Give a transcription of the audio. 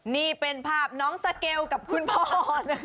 นี่เป็นภาพน้องสเกลกับคุณพ่อ